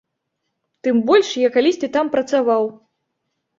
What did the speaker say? Тым больш я калісьці там працаваў.